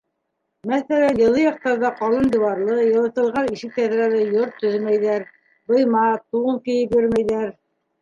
Мәҫәлән, йылы яҡтарҙа ҡалын диуарлы, йылытылған ишек-тәҙрәле йорт төҙөмәйҙәр, быйма, тун кейеп йөрөмәйҙәр.